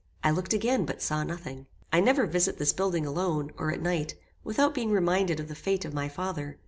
I looked again, but saw nothing. I never visit this building alone, or at night, without being reminded of the fate of my father.